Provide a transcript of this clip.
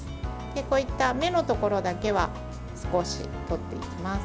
こういった芽のところだけは少し取っていきます。